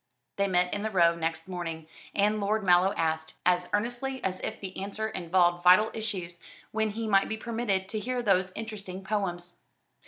They met in the Row next morning, and Lord Mallow asked as earnestly as if the answer involved vital issues when he might be permitted to hear those interesting poems.